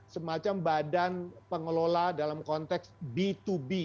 semacam badan pengelola dalam konteks b dua b